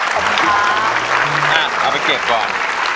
ขอบคุณค่ะเอ้าเอาไปเก็บก่อน